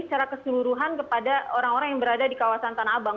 secara keseluruhan kepada orang orang yang berada di kawasan tanah abang